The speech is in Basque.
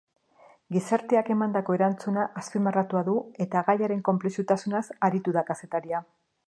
Gizarteak emandako erantzuna azpimarratua du eta gaiaren konplexutasunaz aritu da kazetaria.